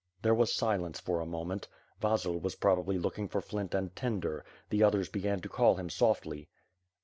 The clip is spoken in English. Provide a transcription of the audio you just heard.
There was silence for a moment. Vasil was probably look ing for flint and tinder. The others began to call him softly.